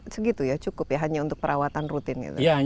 segitu ya cukup ya hanya untuk perawatan rutin gitu